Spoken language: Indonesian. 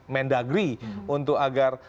mendagri untuk agar